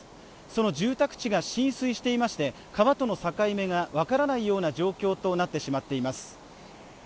その住宅地が浸水していまして川との境目が分からないような状況となってしまっています